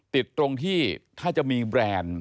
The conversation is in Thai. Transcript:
ติดตรงที่ถ้าจะมีแบรนด์